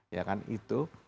ya kan itu